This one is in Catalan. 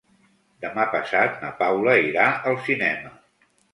Demà passat na Paula irà al cinema.